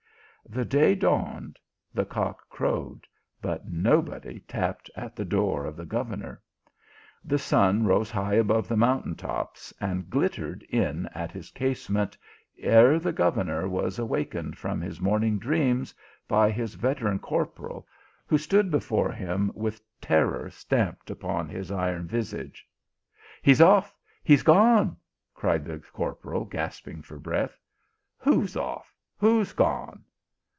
The day dawned, the cock crowed, but nobody tapped at the door of the governor. The sun rose high above the mountain tops, and glittered in at his casement ere the governor was awakened from his morning dreams by his veteran corporal, who stood before him with terror stamped upon his iron visage. " He s off ! he s gone !" cried the corporal, gasp ing for breath. " Who s off? who s gone